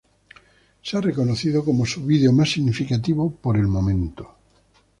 Se ha reconocido como su vídeo más significativa por el momento.